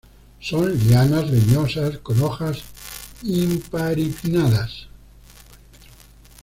Son lianas leñosas con hojas imparipinnadas.